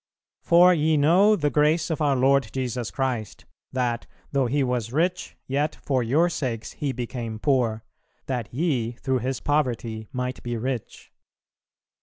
"For ye know the grace of our Lord Jesus Christ, that, though He was rich, yet for your sakes He became poor, that ye through His poverty might be rich."